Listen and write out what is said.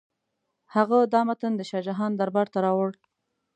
هغه دا متن د شاه جهان دربار ته راوړ.